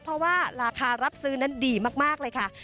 เพราะว่าราคารับซื้อนั้นดีมากเลยค่ะ